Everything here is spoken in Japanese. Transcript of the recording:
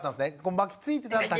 巻きついてただけ。